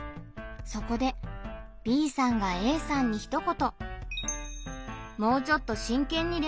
そこでＢさんがＡさんにひと言。